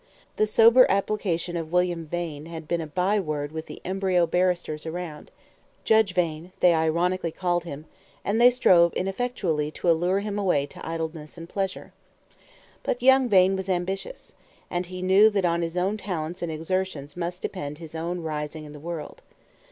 The sober application of William Vane had been a by word with the embryo barristers around; Judge Vane, they ironically called him; and they strove ineffectually to allure him away to idleness and pleasure. But young Vane was ambitious, and he knew that on his own talents and exertions must depend his own rising in the world.